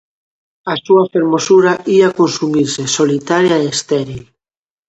A súa fermosura ía consumirse, solitaria e estéril...